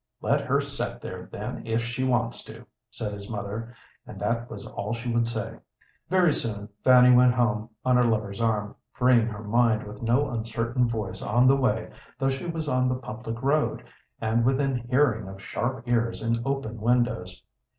"Let her set there, then, if she wants to," said his mother, and that was all she would say. Very soon Fanny went home on her lover's arm, freeing her mind with no uncertain voice on the way, though she was on the public road, and within hearing of sharp ears in open windows.